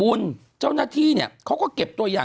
คุณหนุ่มกัญชัยได้เล่าใหญ่ใจความไปสักส่วนใหญ่แล้ว